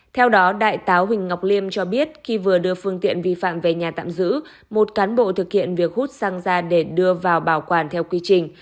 theo đó đại tá huỳnh ngọc liêm cho biết khi vừa đưa phương tiện vi phạm về nhà tạm giữ một cán bộ thực hiện việc hút xăng ra để đưa vào bảo quản theo quy trình